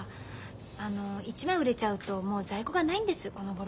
あの１枚売れちゃうともう在庫がないんですこのごろ。